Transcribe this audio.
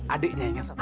adiknya yang satu lagi